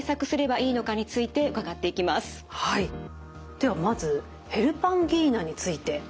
ではまずヘルパンギーナについて。